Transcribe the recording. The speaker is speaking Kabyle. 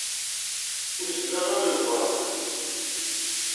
Uzzleɣ am lberq.